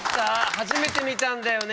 初めて見たんだよね？